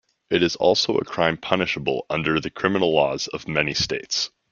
It is also a crime punishable under the criminal laws of many states.